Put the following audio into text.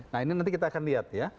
nah ini nanti kita akan lihat ya